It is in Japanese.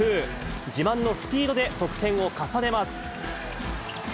自慢のスピードで得点を重ねます。